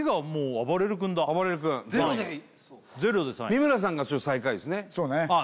三村さんが最下位ですねあっ